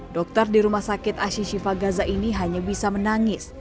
dokter di rumah sakit ashishifa gaza ini hanya bisa menangis